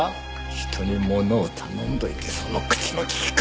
人にものを頼んでおいてその口の利き方！